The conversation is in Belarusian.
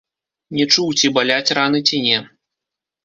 Не чуў, ці баляць раны, ці не.